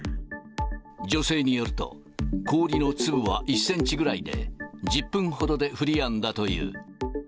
女性によると、氷の粒は１センチぐらいで、１０分ほどで降りやんだという。